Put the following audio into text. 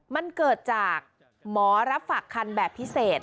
มันเกิดจากหมอรับฝากคันแบบพิเศษ